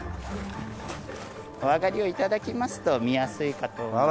お上がり頂きますと見やすいかと思います。